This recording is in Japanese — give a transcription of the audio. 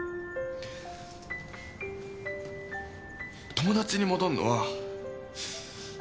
友達に戻んのは。